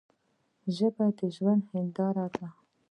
ژبه د ژوند هنداره ده.